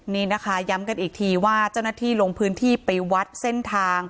นี่นะคะย้ำกันอีกทีว่าเจ้าหน้าที่ลงพื้นที่ไปวัดเส้นทาง